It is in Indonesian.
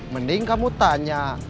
mending kamu tanya